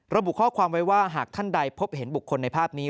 ระบุข้อความไว้ว่าหากท่านใดพบเห็นบุคคลในภาพนี้